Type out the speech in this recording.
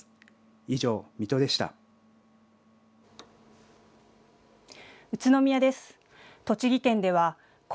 以上、水戸でした。